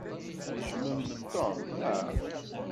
Tejjmemt Tom, naɣ?